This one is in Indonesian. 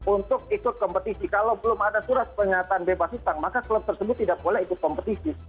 untuk ikut kompetisi kalau belum ada surat pernyataan bebas utang maka klub tersebut tidak boleh ikut kompetisi